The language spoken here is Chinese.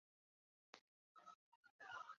它们是日间活动的。